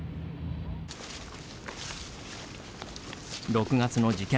６月の事件